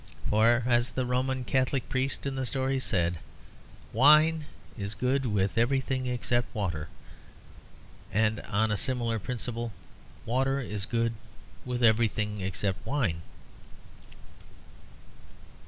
For as the Roman Catholic priest in the story said: "Wine is good with everything except water," and on a similar principle, water is good with everything except wine.